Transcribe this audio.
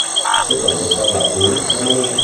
Il secondo è parlato in Romania.